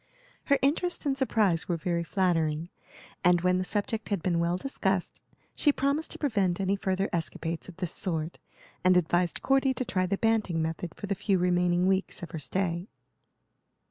Her interest and surprise were very flattering, and when the subject had been well discussed she promised to prevent any further escapades of this sort, and advised Cordy to try the Banting method for the few remaining weeks of her stay.